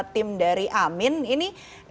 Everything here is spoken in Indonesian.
tim dari amin ini